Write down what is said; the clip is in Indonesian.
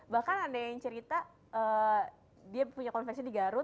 bahkan ada yang cerita dia punya konversi di garut